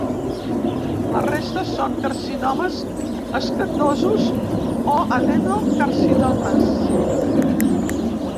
La resta són carcinomes escatosos o adenocarcinomes.